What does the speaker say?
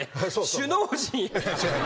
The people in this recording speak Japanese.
首脳陣や。